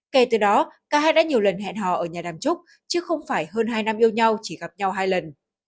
kể từ đó cả hai đã nhiều lần hẹn hò ở nhà đàm trúc chứ không phải hơn hai năm yêu nhau chỉ gặp nhau hai lần